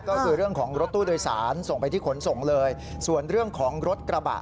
ก็คือเรื่องของรถตู้โดยสารส่งไปที่ขนส่งเลยส่วนเรื่องของรถกระบะ